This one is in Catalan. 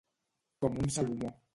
Com un Salomó.